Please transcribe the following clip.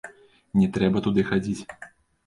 Не трэба туды хадзіць.